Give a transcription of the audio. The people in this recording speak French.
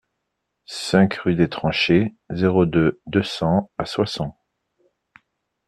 cinq rue des Tranchées, zéro deux, deux cents à Soissons